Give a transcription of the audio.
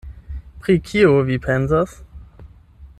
Pri kio vi pensas?